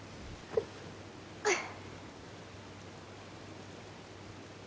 うっ！